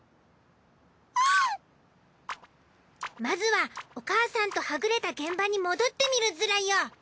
まずはお母さんとはぐれた現場に戻ってみるズラよ。